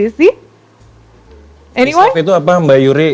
isef itu apa mbak yuri